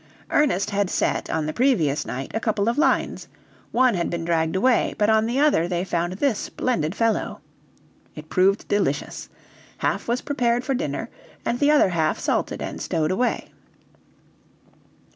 Ernest had set, on the previous night, a couple of lines; one had been dragged away, but on the other they found this splendid fellow. It proved delicious. Half was prepared for dinner, and the other half salted and stowed away.